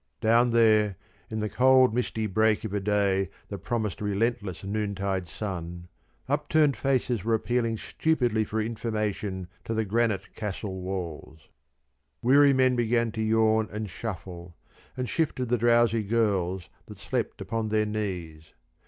Down there, in the cold misty break of a day that promised a relentless noontide sun, upturned faces were appealing stupidly for information to the granite castle walls. Weary men began to yawn and shuffle, and shifted the drowsy girls that slept upon their knees.